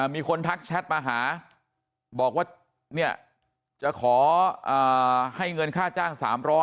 มีคนทักแชทมาหาบอกว่าเนี่ยจะขอให้เงินค่าจ้าง๓๐๐